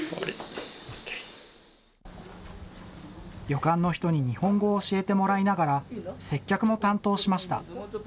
旅館の人に日本語を教えてもらいながら、接客も担当しました。